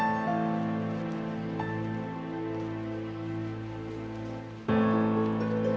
jangan bergerak impropera